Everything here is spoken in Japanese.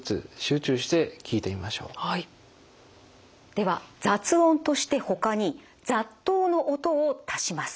では雑音としてほかに雑踏の音を足します。